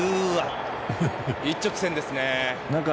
一直線ですね。